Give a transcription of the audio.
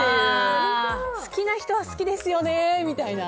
好きな人は好きですよねみたいな。